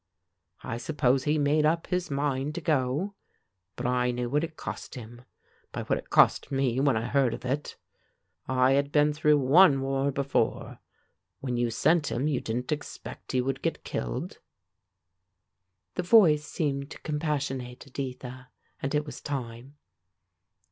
I suppose he made up his mind to go, but I knew what it cost him, by what it cost me when I heard of it. I had been through one war before. When you sent him you didn't expect he would get killed." The voice seemed to compassionate Editha, and it was time.